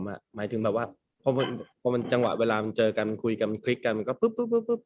หมายถึงแบบว่าพอมันจังหวะเวลามันเจอกันคุยกันคลิกกันมันก็ปุ๊บ